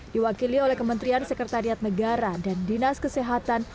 diwakili oleh kementerian sekretariat negara dan dinas kesehatan